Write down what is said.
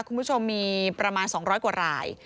คุณผู้ชมมีประมาณ๒๐๐กว่าราย